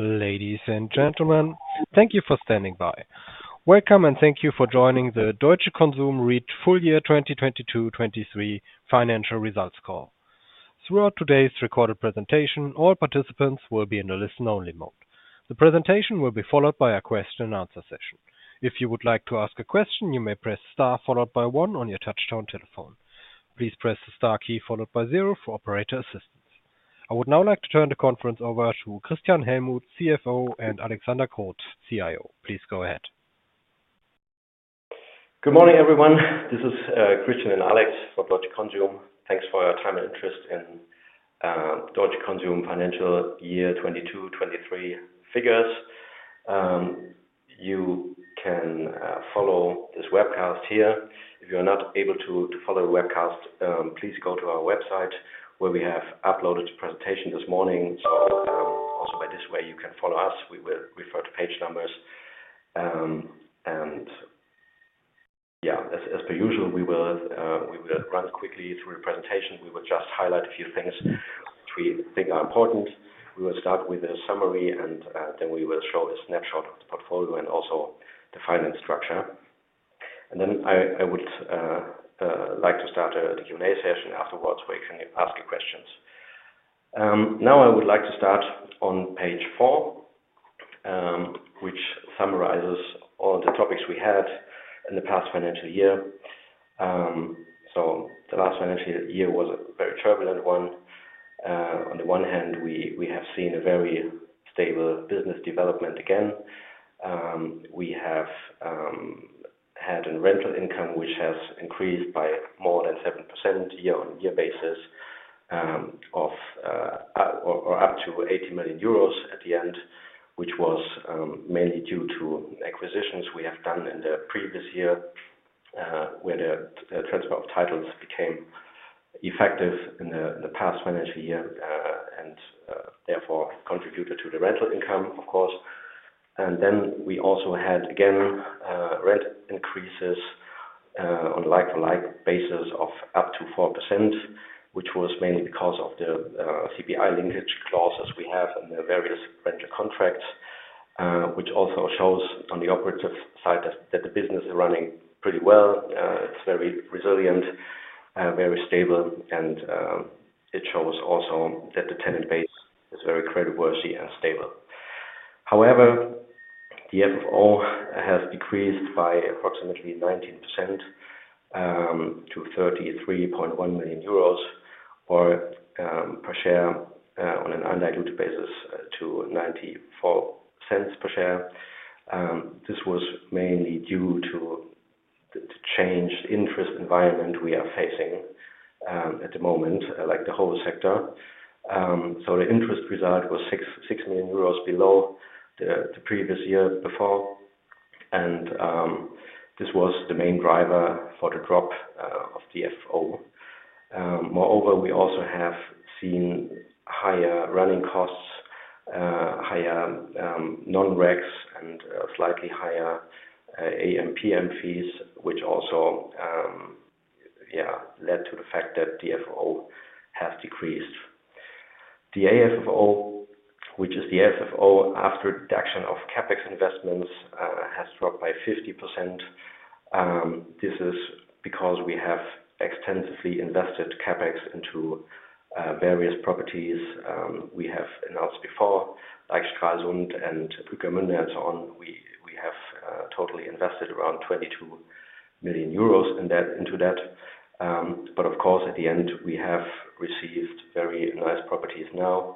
Ladies and gentlemen, thank you for standing by. Welcome, and thank you for joining the Deutsche Konsum REIT Full Year 2022, 2023 financial results call. Throughout today's recorded presentation, all participants will be in a listen-only mode. The presentation will be followed by a question and answer session. If you would like to ask a question, you may press star, followed by one on your touchtone telephone. Please press the star key followed by zero for operator assistance. I would now like to turn the conference over to Christian Hellmuth, CFO, and Alexander Kroth, CIO. Please go ahead. André Remke Good morning, everyone. This is Christian and Alex from Deutsche Konsum. Thanks for your time and interest in Deutsche Konsum financial year 2022, 2023 figures. You can follow this webcast here. If you are not able to follow the webcast, please go to our website, where we have uploaded the presentation this morning. So, also by this way, you can follow us. We will refer to page numbers. And as per usual, we will run quickly through the presentation. We will just highlight a few things which we think are important. We will start with a summary, and then we will show a snapshot of the portfolio and also the finance structure. And then I would like to start the Q&A session afterwards, where you can ask your questions. Now I would like to start on page 4, which summarizes all the topics we had in the past financial year. So the last financial year was a very turbulent one. On the one hand, we have seen a very stable business development again. We have had a rental income, which has increased by more than 7% year-on-year basis, of or up to 80 million euros at the end, which was mainly due to acquisitions we have done in the previous year, where the transfer of titles became effective in the past financial year, and therefore contributed to the rental income, of course. Then we also had, again, rent increases on like-for-like basis of up to 4%, which was mainly because of the CPI linkage clauses we have in the various rental contracts, which also shows on the operative side that the business is running pretty well. It's very resilient, very stable, and it shows also that the tenant base is very creditworthy and stable. However, the FFO has decreased by approximately 19% to 33.1 million euros or per share on an undiluted basis to 0.94 per share. This was mainly due to the changed interest environment we are facing at the moment, like the whole sector. So the interest result was 6 million euros below the previous year before, and this was the main driver for the drop of the FFO. Moreover, we also have seen higher running costs, higher non-recurring costs and slightly higher AMPM fees, which also, yeah, led to the fact that the FFO has decreased. The AFFO, which is the FFO after deduction of CapEx investments, has dropped by 50%. This is because we have extensively invested CapEx into various properties. We have announced before, like Stralsund and Burgwedel and so on. We have totally invested around 22 million euros into that. But of course, at the end, we have received very nice properties now,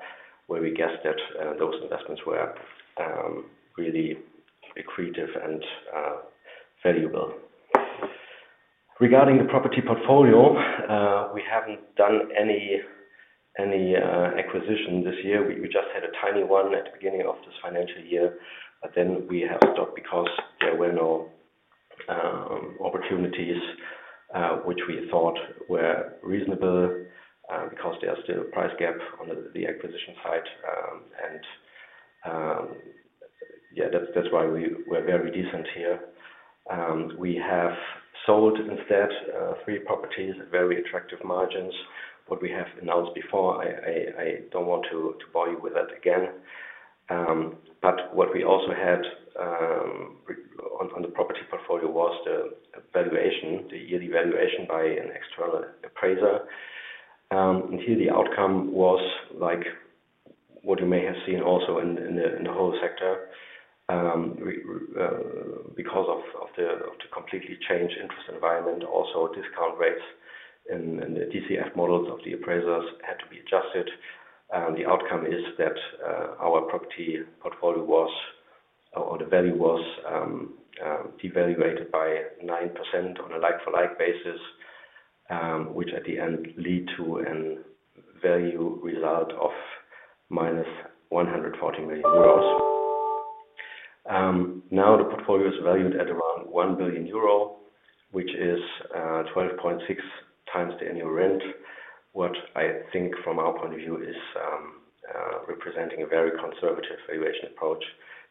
where we guess that those investments were really accretive and valuable. Regarding the property portfolio, we haven't done any acquisition this year. We just had a tiny one at the beginning of this financial year, but then we have stopped because there were no opportunities which we thought were reasonable, because there are still a price gap on the acquisition side. And yeah, that's why we were very decent here. We have sold instead three properties, very attractive margins. What we have announced before, I don't want to bore you with that again. But what we also had on the property portfolio was the valuation, the yearly valuation by an external appraiser. And here the outcome was like what you may have seen also in the whole sector. Because of the completely changed interest environment, also discount rates and the DCF models of the appraisers had to be adjusted. The outcome is that our property portfolio was, or the value was, devaluated by 9% on a like-for-like basis, which at the end lead to a value result of -140 million euros. Now the portfolio is valued at around 1 billion euro, which is 12.6 times the annual rent. What I think from our point of view is representing a very conservative valuation approach,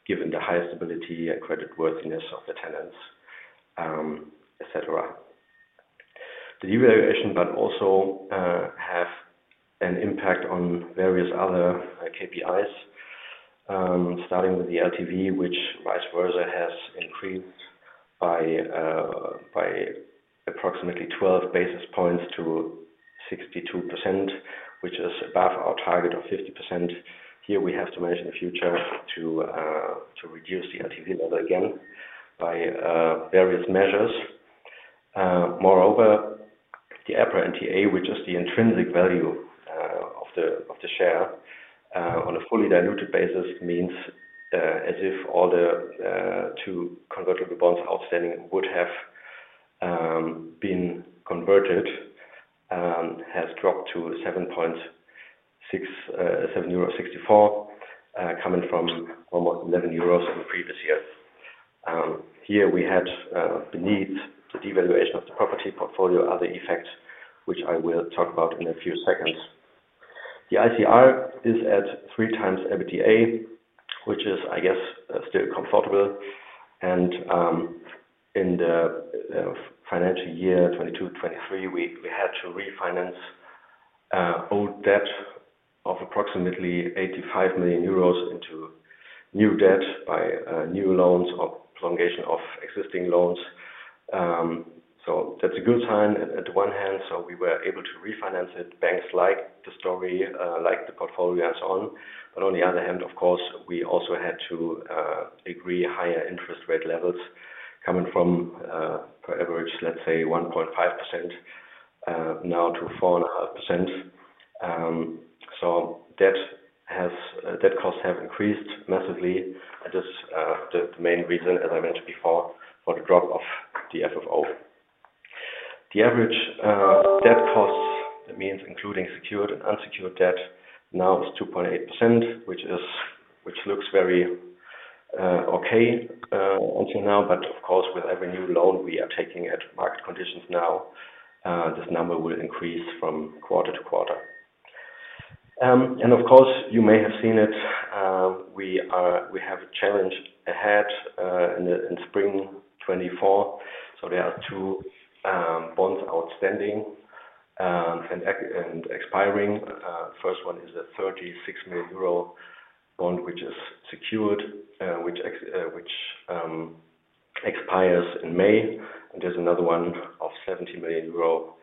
given the high stability and creditworthiness of the tenants, et cetera. The devaluation, but also, have an impact on various other KPIs. Starting with the LTV, which vice versa, has increased by approximately 12 basis points to 62%, which is above our target of 50%. Here, we have to manage in the future to reduce the LTV level again by various measures. Moreover, the EPRA NTA, which is the intrinsic value of the share on a fully diluted basis, means as if all the two convertible bonds outstanding would have been converted, has dropped to 7.67 euro, coming from almost 11 euros in the previous years. Here we had beneath the devaluation of the property portfolio, other effects, which I will talk about in a few seconds. The ICR is at 3x EBITDA, which is, I guess, still comfortable. In the financial year 2022-2023, we had to refinance old debt of approximately 85 million euros into new debt by new loans or extension of existing loans. So that's a good sign at one hand, so we were able to refinance it. Banks like the story, like the portfolio and so on. But on the other hand, of course, we also had to agree higher interest rate levels coming from per average, let's say 1.5% now to 4.5%. So debt costs have increased massively. That is the main reason, as I mentioned before, for the drop of the FFO. The average debt costs, that means including secured and unsecured debt, now is 2.8%, which is... Which looks very okay until now. But of course, with every new loan we are taking at market conditions now, this number will increase from quarter to quarter. And of course, you may have seen it, we have a challenge ahead in spring 2024. So there are two bonds outstanding and expiring. First one is a 36 million euro bond, which is secured, which expires in May, and there's another one of 70 million euro,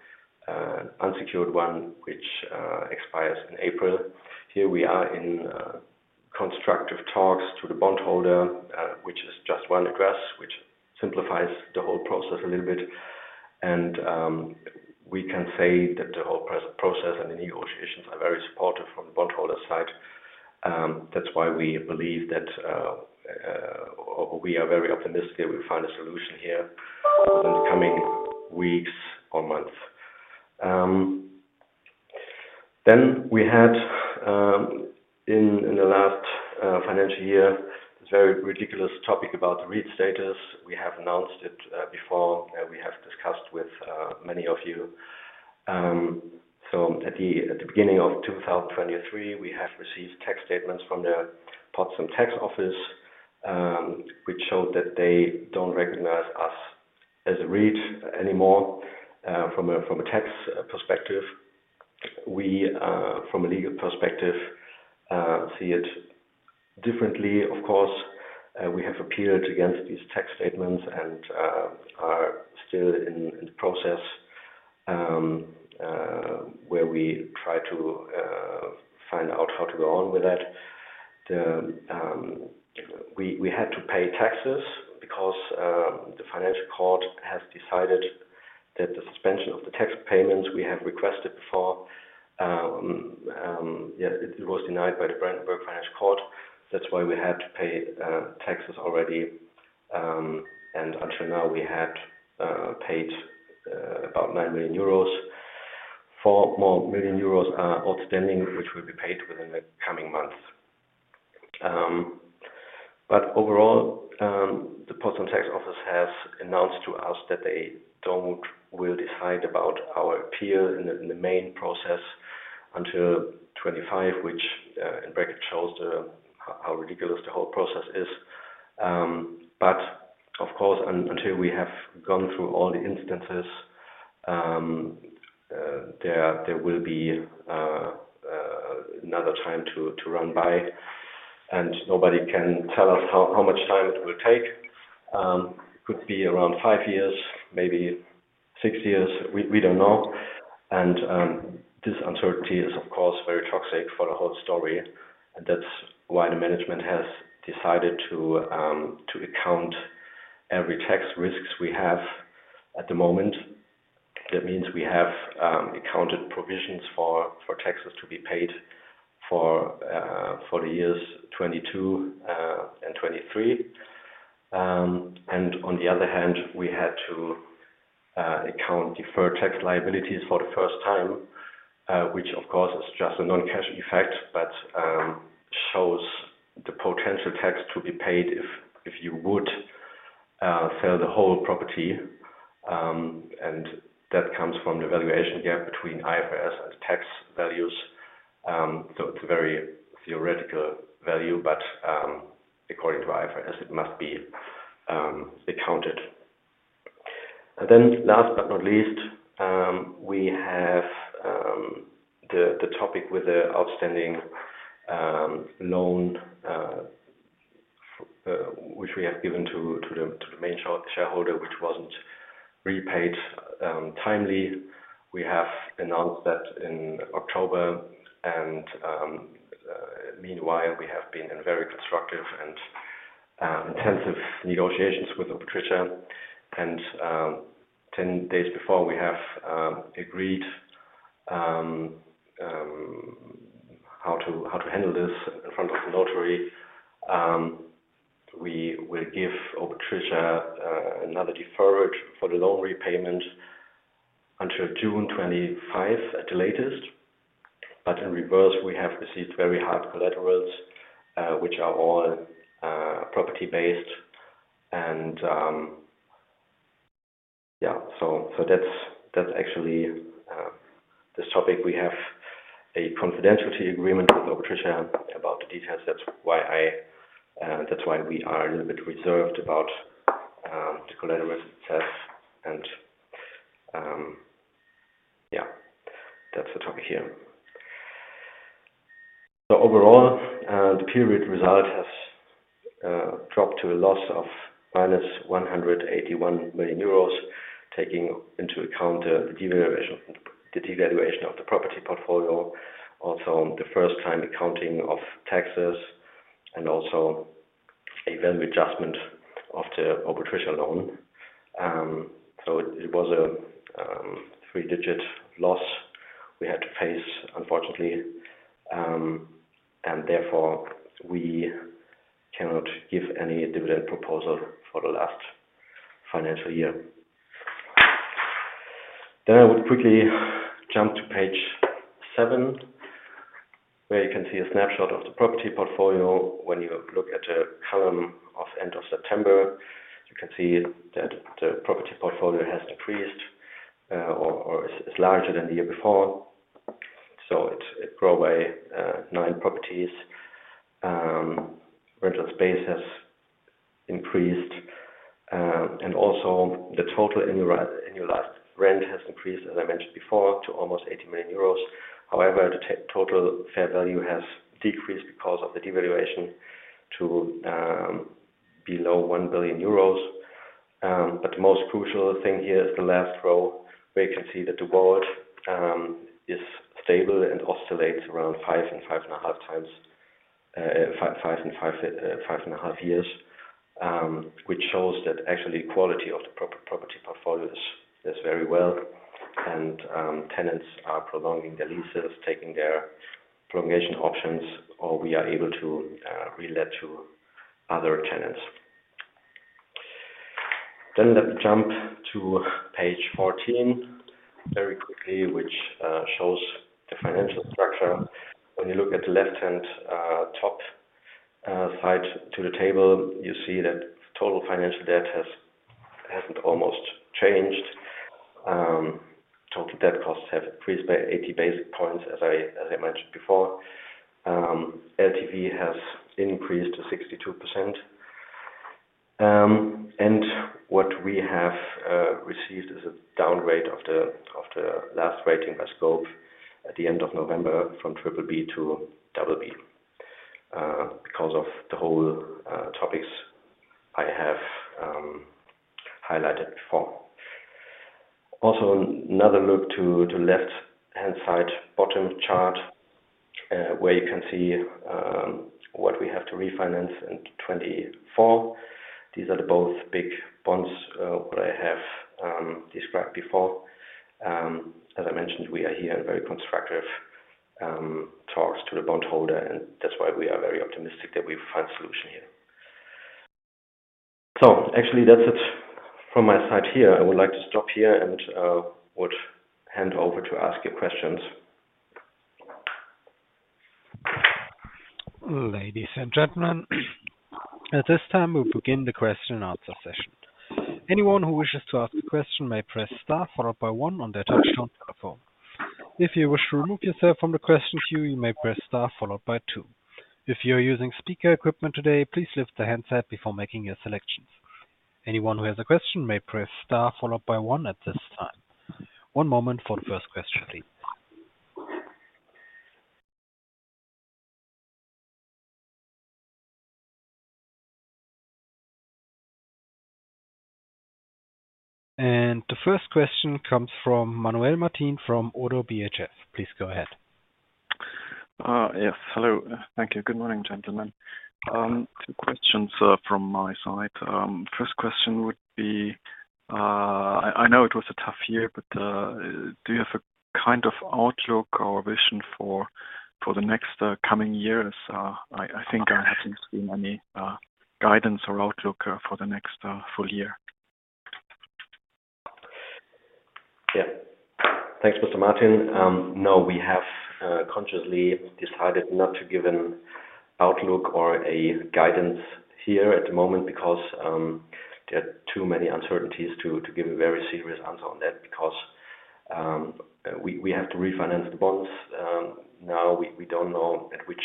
unsecured one, which expires in April. We are in constructive talks to the bondholder, which is just one address, which simplifies the whole process a little bit. And we can say that the whole process and the negotiations are very supportive from the bondholder side. That's why we believe that or we are very optimistic that we'll find a solution here, within the coming weeks or months. Then we had in the last financial year this very ridiculous topic about the REIT status. We have announced it before, and we have discussed with many of you. So at the beginning of 2023, we have received tax statements from the Potsdam Tax Office, which showed that they don't recognize us as a REIT anymore from a tax perspective. We from a legal perspective see it differently, of course. We have appealed against these tax statements and are still in the process where we try to find out how to go on with that. We had to pay taxes because the financial court has decided that the suspension of the tax payments we had requested before, it was denied by the Brandenburg Financial Court. That's why we had to pay taxes already. And until now, we had paid about 9 million euros. 4 million euros more are outstanding, which will be paid within the coming months. But overall, the Potsdam Tax Office has announced to us that they don't-- will decide about our appeal in the, in the main process until 2025, which, in bracket, shows the how ridiculous the whole process is. But of course, until we have gone through all the instances, there will be another time to run by, and nobody can tell us how much time it will take. Could be around five years, maybe six years. We don't know. And this uncertainty is, of course, very toxic for the whole story, and that's why the management has decided to account every tax risks we have at the moment. That means we have accounted provisions for taxes to be paid for the years 2022 and 2023. And on the other hand, we had to account deferred tax liabilities for the first time, which of course is just a non-cash effect, but shows the potential tax to be paid if you would sell the whole property. And that comes from the valuation gap between IFRS and tax values. So it's a very theoretical value, but according to IFRS, it must be accounted. And then last but not least, we have the topic with the outstanding loan which we have given to the main shareholder, which wasn't repaid timely. We have announced that in October, and meanwhile we have been in very constructive and intensive negotiations with Obotritia. Ten days before, we have agreed how to handle this in front of the notary. We will give Obotritia another deferral for the loan repayment until June 25 at the latest. But in reverse, we have received very hard collaterals, which are all property-based. Yeah, so that's actually this topic. We have a confidentiality agreement with Obotritia about the details. That's why we are a little bit reserved about the collateral itself. Yeah, that's the topic here. So overall, the period result has dropped to a loss of -181 million euros, taking into account the devaluation, the devaluation of the property portfolio, also the first-time accounting of taxes, and also a value adjustment of the Obotritia loan. So it was a three-digit loss we had to face, unfortunately. Therefore, we cannot give any dividend proposal for the last financial year. Then I would quickly jump to page 7, where you can see a snapshot of the property portfolio. When you look at the column of end of September, you can see that the property portfolio has decreased, or is larger than the year before. So it grew by 9 properties. Rental space has increased, and also the total annual annualized rent has increased, as I mentioned before, to almost 80 million euros. However, the total fair value has decreased because of the devaluation to below 1 billion euros. But the most crucial thing here is the last row, where you can see that the board is stable and oscillates around 5-5.5 years. Which shows that actually, quality of the property portfolios is very well, and tenants are prolonging their leases, taking their extension options, or we are able to relet to other tenants. Then let me jump to page 14 very quickly, which shows the financial structure. When you look at the left-hand top side to the table, you see that total financial debt hasn't almost changed. Total debt costs have increased by 80 basis points, as I mentioned before. LTV has increased to 62%. And what we have received is a downgrade of the last Scope Ratings at the end of November from triple B to double B, because of the whole topics I have highlighted before. Also, another look to the left-hand side, bottom chart, where you can see what we have to refinance in 2024. These are the both big bonds what I have described before. As I mentioned, we are here in very constructive talks to the bondholder, and that's why we are very optimistic that we find a solution here. Actually, that's it from my side here. I would like to stop here and would hand over to ask your questions. Ladies and gentlemen, at this time, we'll begin the question and answer session. Anyone who wishes to ask a question may press star, followed by one on their touchtone telephone. If you wish to remove yourself from the question queue, you may press star, followed by two. If you're using speaker equipment today, please lift the handset before making your selections. Anyone who has a question may press star, followed by one at this time. One moment for the first question, please. And the first question comes from Manuel Martin from ODDO BHF. Please go ahead. Yes. Hello. Thank you. Good morning, gentlemen. Two questions from my side. First question would be, I know it was a tough year, but do you have a kind of outlook or vision for the next coming years? I think I haven't seen any guidance or outlook for the next full year. Yeah. Thanks, Mr. Martin. No, we have consciously decided not to give an outlook or a guidance here at the moment, because there are too many uncertainties to give a very serious answer on that, because we have to refinance the bonds. Now, we don't know at which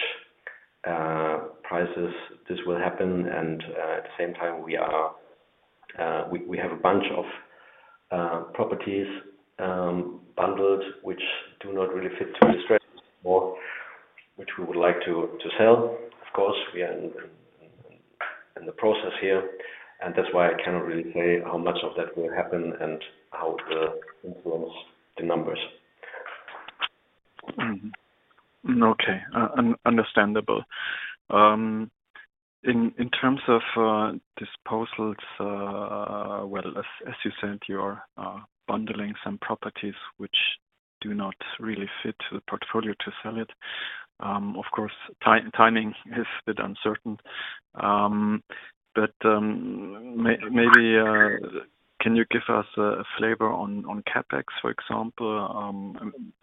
prices this will happen, and at the same time, we have a bunch of properties bundled, which do not really fit to the strategy at all, which we would like to sell. Of course, we are in the process here, and that's why I cannot really say how much of that will happen and how it will influence the numbers. Okay, understandable. In terms of disposals, well, as you said, you are bundling some properties which do not really fit to the portfolio to sell it. Of course, timing is a bit uncertain. But maybe can you give us a flavor on CapEx, for example?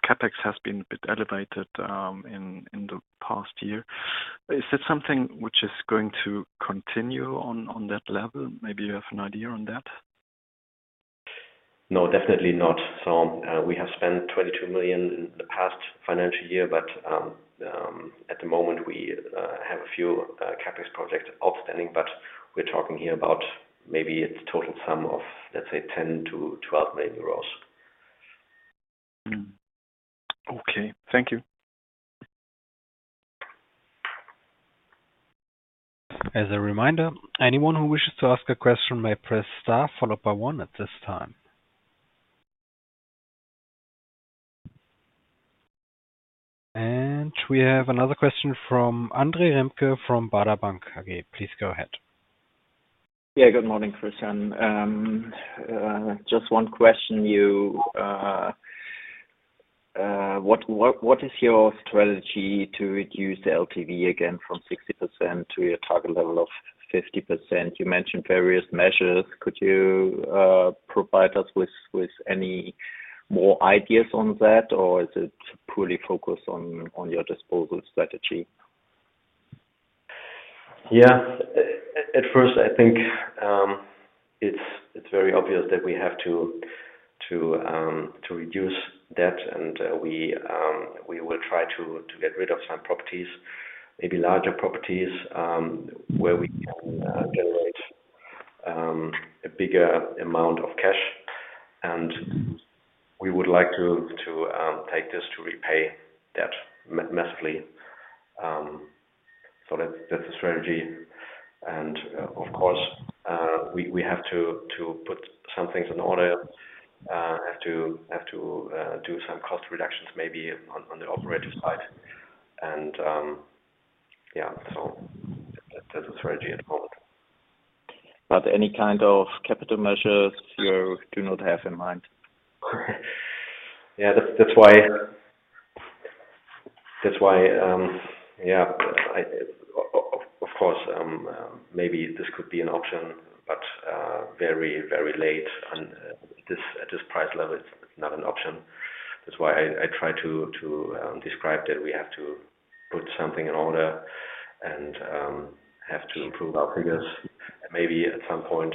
CapEx has been a bit elevated in the past year. Is that something which is going to continue on that level? Maybe you have an idea on that. No, definitely not. We have spent 22 million in the past financial year, but at the moment we have a few CapEx projects outstanding, but we're talking here about maybe it's a total sum of, let's say, 10-12 million euros. Mm. Okay, thank you. As a reminder, anyone who wishes to ask a question may press star, followed by one at this time. We have another question from Andre Remke, from Baader Bank AG. Please go ahead. Yeah, good morning, Christian. Just one question, what is your strategy to reduce the LTV again, from 60% to your target level of 50%? You mentioned various measures. Could you provide us with any more ideas on that, or is it purely focused on your disposal strategy? Yeah. At first, I think, it's very obvious that we have to reduce debt, and we will try to get rid of some properties, maybe larger properties, where we can generate a bigger amount of cash. And we would like to take this to repay debt massively. So that's the strategy. And, of course, we have to put some things in order, have to do some cost reductions, maybe on the operating side. And, yeah, so that's the strategy at the moment. Any kind of capital measures you do not have in mind? Yeah, that's why, of course, maybe this could be an option, but very, very late on this at this price level, it's not an option. That's why I try to describe that we have to put something in order and have to improve our figures. Maybe at some point,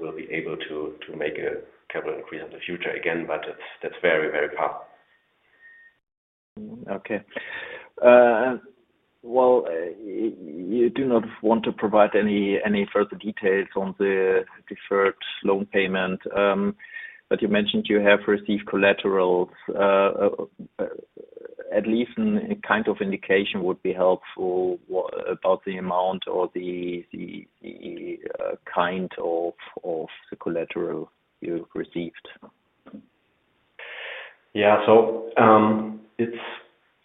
we'll be able to make a capital increase in the future again, but that's very, very far. Okay. Well, you do not want to provide any further details on the deferred loan payment, but you mentioned you have received collateral. At least some kind of indication would be helpful about the amount or the kind of collateral you received. Yeah. So,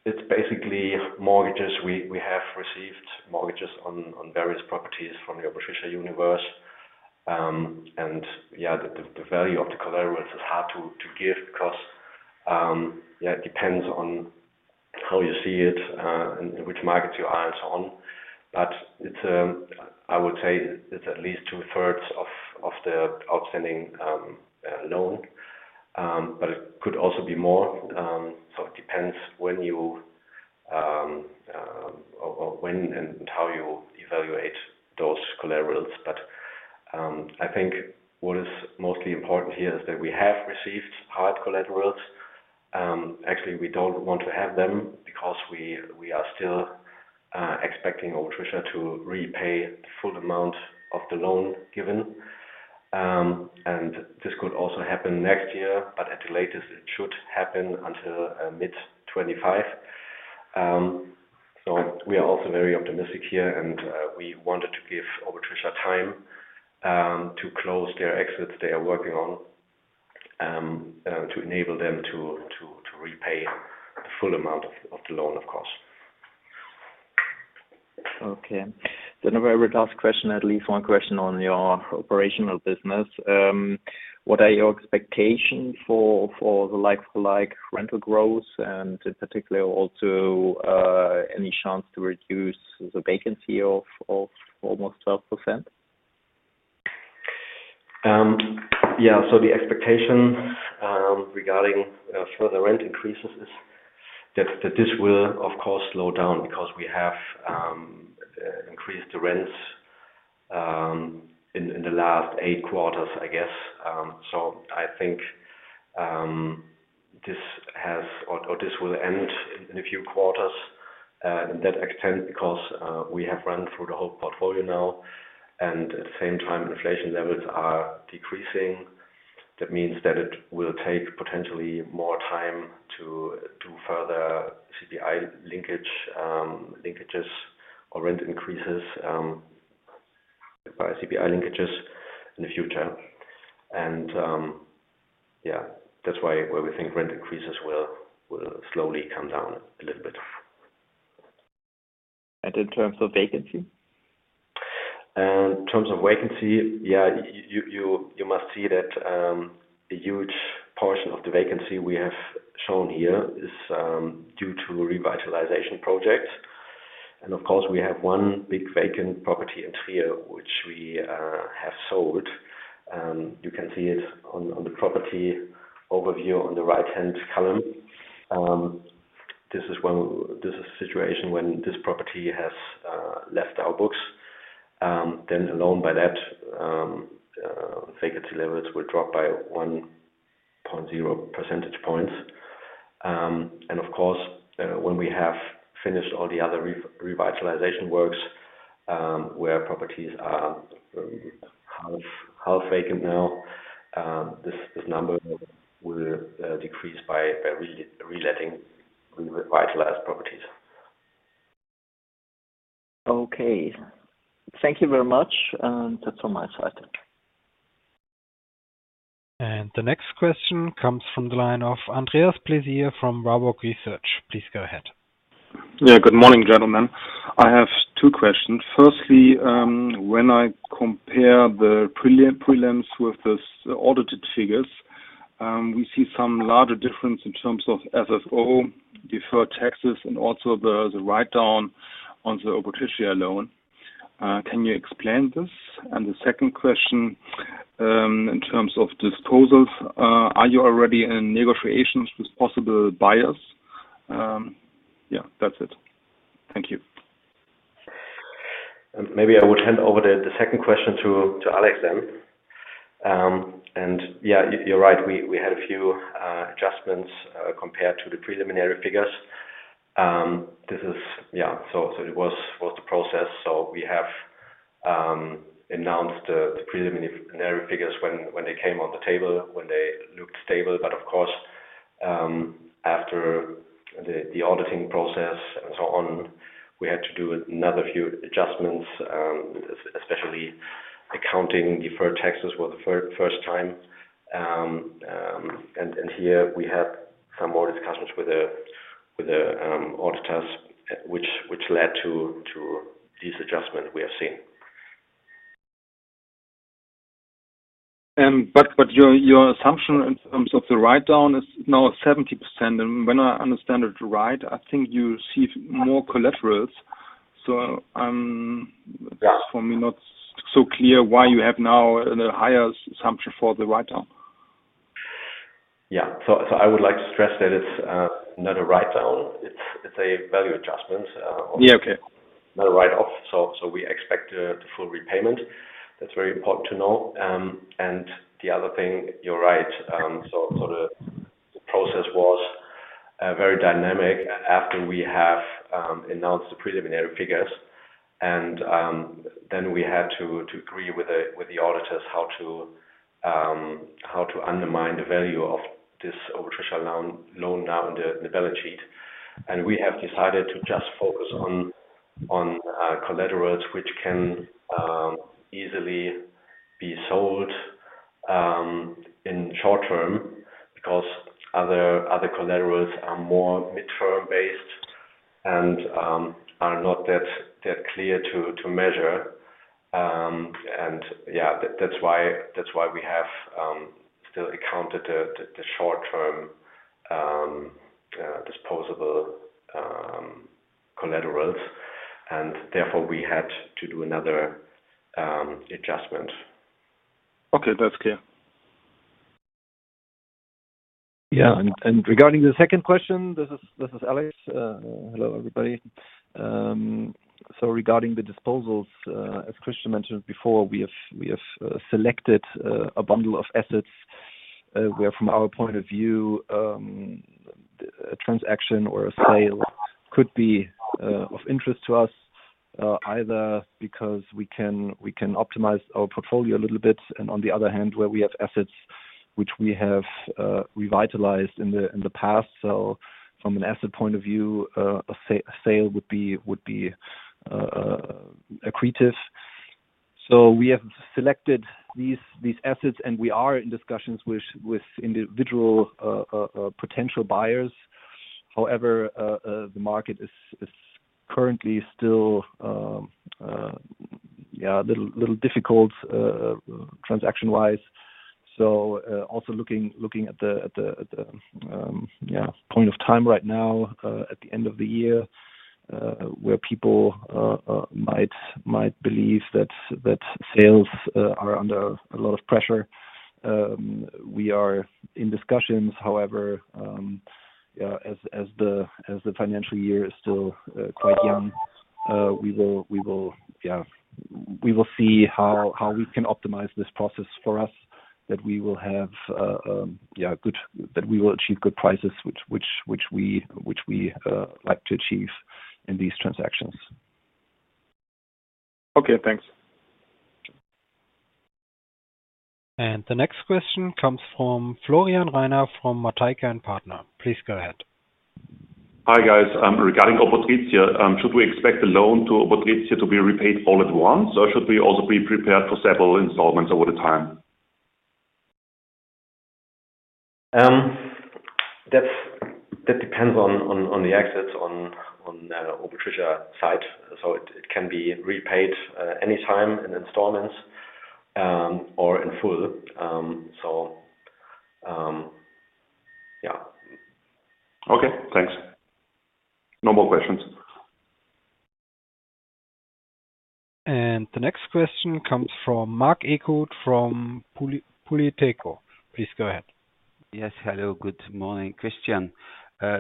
it's basically mortgages. We have received mortgages on various properties from the Obotritia universe. And, yeah, the value of the collaterals is hard to give because, yeah, it depends on how you see it, and which markets you eye on. But it's, I would say it's at least two-thirds of the outstanding loan, but it could also be more. So it depends when you or when and how you evaluate those collaterals. But, I think what is mostly important here is that we have received hard collaterals. Actually, we don't want to have them because we are still expecting Obotritia to repay the full amount of the loan given. This could also happen next year, but at the latest, it should happen until mid-2025. We are also very optimistic here, and we wanted to give Obotritia time to close their exits they are working on, to enable them to repay the full amount of the loan, of course. Okay. Then my very last question, at least one question on your operational business. What are your expectations for the like-for-like rental growth, and in particular, also any chance to reduce the vacancy of almost 12%?... Yeah, so the expectation regarding further rent increases is that this will, of course, slow down because we have increased the rents in the last 8 quarters, I guess. So I think this has, or this will end in a few quarters in that extent, because we have run through the whole portfolio now, and at the same time, inflation levels are decreasing. That means that it will take potentially more time to further CPI linkage linkages or rent increases by CPI linkages in the future. And yeah, that's why we think rent increases will slowly come down a little bit. In terms of vacancy? In terms of vacancy, yeah, you must see that a huge portion of the vacancy we have shown here is due to revitalization projects. And of course, we have one big vacant property in Trier, which we have sold. You can see it on the property overview on the right-hand column. This is a situation when this property has left our books. Then alone by that, vacancy levels will drop by 1.0 percentage points. And of course, when we have finished all the other revitalization works, where properties are half vacant now, this number will decrease by reletting revitalized properties. Okay. Thank you very much. That's on my side. The next question comes from the line of Andreas Pläsier from Warburg Research. Please go ahead. Yeah. Good morning, gentlemen. I have two questions. Firstly, when I compare the prelims with this audited figures, we see some larger difference in terms of FFO, deferred taxes, and also the write-down on the Obotritia loan. Can you explain this? And the second question, in terms of disposals, are you already in negotiations with possible buyers? Yeah, that's it. Thank you. Maybe I would hand over the second question to Alex, then. And yeah, you're right, we had a few adjustments compared to the preliminary figures. This is so it was the process. So we have announced the preliminary figures when they came on the table, when they looked stable. But of course, after the auditing process and so on, we had to do another few adjustments, especially accounting deferred taxes for the first time. And here we have some more discussions with the auditors, which led to this adjustment we are seeing. But your assumption in terms of the write-down is now 70%, and when I understand it right, I think you receive more collaterals. So, that's for me, not so clear why you have now a higher assumption for the write-down. Yeah. So, I would like to stress that it's not a write-down, it's a value adjustment. Yeah, okay. Not a write-off. So we expect the full repayment. That's very important to know. And the other thing, you're right. So the process was very dynamic after we have announced the preliminary figures, and then we had to agree with the auditors, how to undermine the value of this Obotritia loan now in the balance sheet. And we have decided to just focus on collaterals, which can easily be sold in short term, because other collaterals are more mid-term based and are not that clear to measure. And yeah, that's why we have still accounted the short-term disposable collaterals, and therefore, we had to do another adjustment. Okay, that's clear. Yeah, regarding the second question, this is Alex. Hello, everybody. So regarding the disposals, as Christian mentioned before, we have selected a bundle of assets, where from our point of view, a transaction or a sale could be of interest to us, either because we can optimize our portfolio a little bit, and on the other hand, where we have assets which we have revitalized in the past. So from an asset point of view, a sale would be accretive. So we have selected these assets, and we are in discussions with individual potential buyers. However, the market is currently still yeah, a little difficult, transaction-wise.... So, also looking at the point of time right now, at the end of the year, where people might believe that sales are under a lot of pressure. We are in discussions, however, as the financial year is still quite young, we will see how we can optimize this process for us, that we will have, yeah, good-- that we will achieve good prices, which we like to achieve in these transactions. Okay, thanks. The next question comes from Florian Rainer, from Matejka & Partner. Please go ahead. Hi, guys. Regarding Obotritia, should we expect the loan to Obotritia to be repaid all at once, or should we also be prepared for several installments over the time? That depends on the exits on the Obotritia site. So it can be repaid anytime in installments or in full. So, yeah. Okay, thanks. No more questions. The next question comes from Marc Echo from Poli-Politéco. Please go ahead. Yes, hello. Good morning, Christian.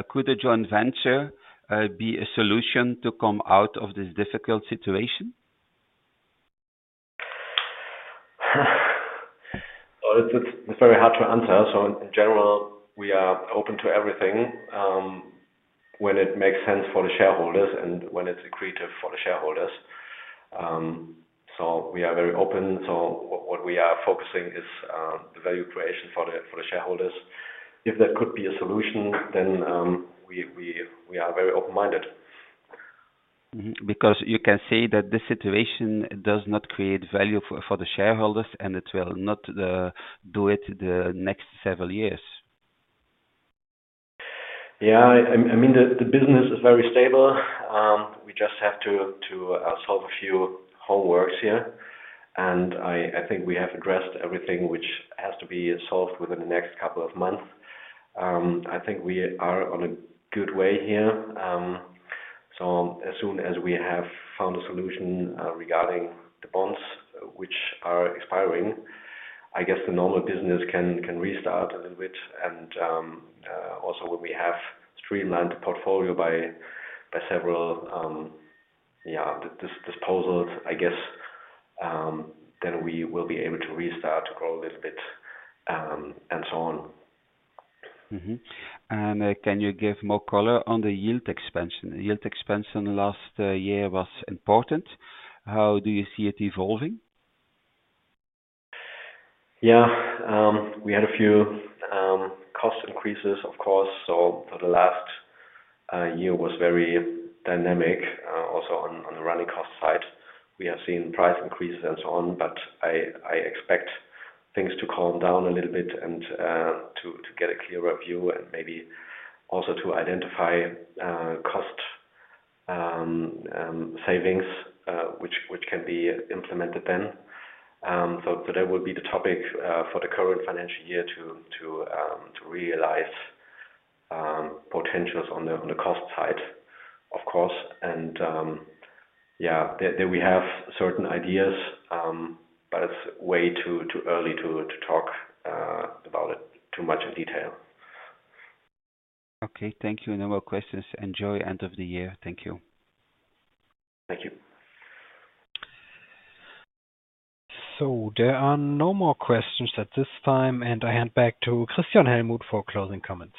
Could a joint venture be a solution to come out of this difficult situation? Well, it's, it's very hard to answer. So in general, we are open to everything, when it makes sense for the shareholders and when it's accretive for the shareholders. So we are very open. So what we are focusing is, the value creation for the, for the shareholders. If there could be a solution, then, we are very open-minded. Mm-hmm. Because you can say that this situation does not create value for the shareholders, and it will not do it the next several years. Yeah, I mean, the business is very stable. We just have to solve a few homeworks here, and I think we have addressed everything which has to be solved within the next couple of months. I think we are on a good way here. So as soon as we have found a solution regarding the bonds which are expiring, I guess the normal business can restart a little bit. And also, when we have streamlined the portfolio by several yeah, disposals, I guess, then we will be able to restart to grow a little bit, and so on. Mm-hmm. And, can you give more color on the yield expansion? The yield expansion last year was important. How do you see it evolving? Yeah. We had a few cost increases, of course. For the last year was very dynamic, also on the running cost side. We have seen price increases and so on, but I expect things to calm down a little bit and to get a clearer view and maybe also to identify cost savings, which can be implemented then. That would be the topic for the current financial year to realize potentials on the cost side, of course. Yeah, there we have certain ideas, but it's way too early to talk about it too much in detail. Okay. Thank you. No more questions. Enjoy end of the year. Thank you. Thank you. There are no more questions at this time, and I hand back to Christian Hellmuth for closing comments.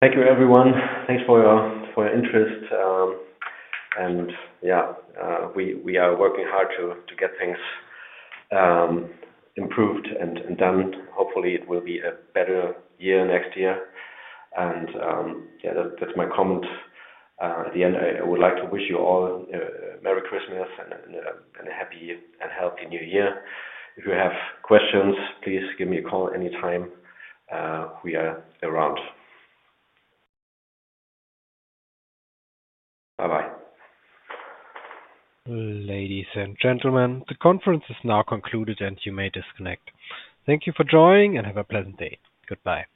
Thank you, everyone. Thanks for your interest, and yeah, we are working hard to get things improved and done. Hopefully, it will be a better year next year. Yeah, that's my comment. At the end, I would like to wish you all a merry Christmas and a happy and healthy New Year. If you have questions, please give me a call anytime, we are around. Bye-bye. Ladies and gentlemen, the conference is now concluded, and you may disconnect. Thank you for joining, and have a pleasant day. Goodbye.